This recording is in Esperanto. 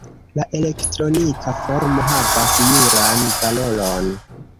La elektronika formo havas juran valoron.